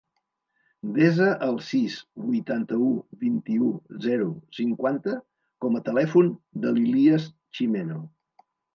Desa el sis, vuitanta-u, vint-i-u, zero, cinquanta com a telèfon de l'Ilías Chimeno.